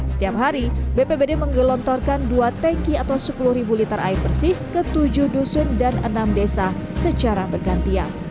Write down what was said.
setiap hari bpbd menggelontorkan dua tanki atau sepuluh liter air bersih ke tujuh dusun dan enam desa secara bergantian